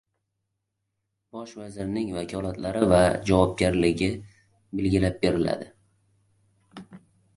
Bosh vazirning vakolatlari va javobgarligi belgilab beriladi